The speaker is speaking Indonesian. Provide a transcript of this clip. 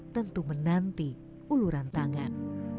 tentu menanti uluran tangan